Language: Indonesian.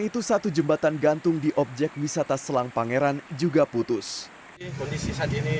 itu satu jembatan gantung di objek wisata selang pangeran juga putus kondisi saat ini